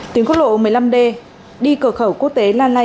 tiếng khuất lộ một mươi năm d đi cờ khẩu quốc tế la lây